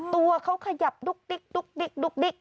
ตัวเขาขยับดุ๊ก